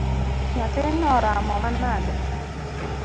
Nyathino oramo manade?